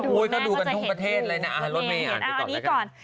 ก็ดูกันทุ่งประเทศเลยนะอ่ะลดมืออ่านไปก่อน